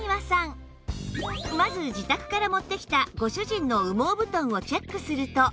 まず自宅から持ってきたご主人の羽毛布団をチェックすると